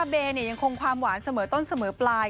เบย์ยังคงความหวานเสมอต้นเสมอปลาย